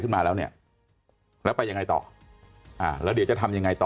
ขึ้นมาแล้วเนี้ยเราไปยังไงต่อแล้วเดี๋ยวจะทำยังไง